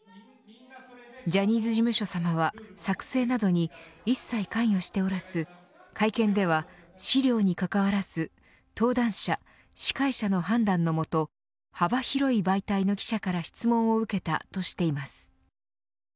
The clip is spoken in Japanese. ジャニーズ事務所さまは作成などに一切関与しておらず会見では資料にかかわらず登壇者、司会者の判断のもと幅広い媒体の記者から質問を受けたとしています。